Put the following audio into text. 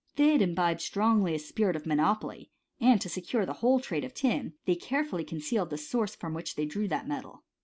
They had imbibed strongly a spirit of monopoly ; and to secure the whole trade of tin they carefully con cealed the source from which they drew that metal.